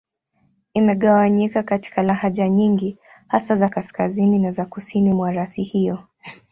Imegawanyika katika lahaja nyingi, hasa za Kaskazini na za Kusini mwa rasi hiyo.